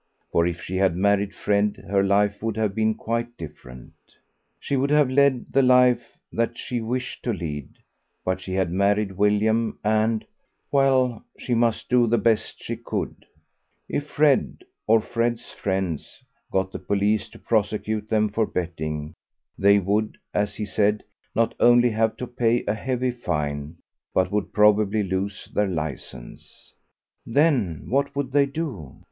For if she had married Fred her life would have been quite different. She would have led the life that she wished to lead, but she had married William and well, she must do the best she could. If Fred, or Fred's friends, got the police to prosecute them for betting, they would, as he said, not only have to pay a heavy fine, but would probably lose their licence. Then what would they do?